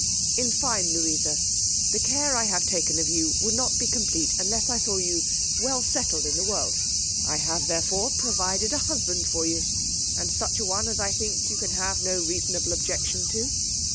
In fine, Louisa, the care I have taken of you would not be complete unless I saw you well settled in the world. I have therefore provided a husband for you, and such a one as I think you can have no reasonable objection to.